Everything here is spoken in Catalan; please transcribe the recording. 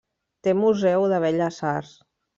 Té museu de belles arts.